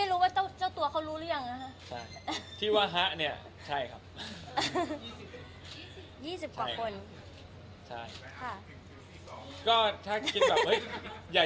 แล้วก็จบกันเร็วขึ้น